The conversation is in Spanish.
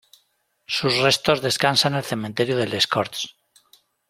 Sus restos descansan el cementerio de Les Corts.